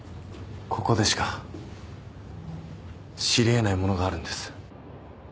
ここでしか知り得ないものがあるんです。